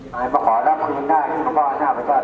มาขอรับคำนึงได้ของพระพ่อพระเจ้าดันใจนะครับ